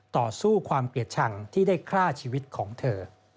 ต่อสู้ความเกลียดชังที่ได้ฆ่าชีวิตของเธอ